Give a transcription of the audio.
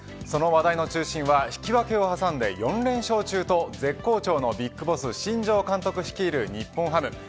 その話題の中心は引き分けを挟んで４連勝中と絶好調のＢＩＧＢＯＳＳ新庄監督率いる日本ハム